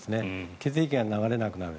血液が流れなくなる。